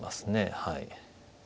はい。